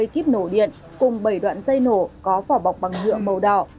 một trăm bảy mươi kíp nổ điện cùng bảy đoạn dây nổ có phỏ bọc bằng nhựa màu đỏ